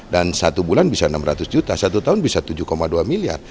dan satu bulan bisa enam ratus juta satu tahun bisa tujuh dua miliar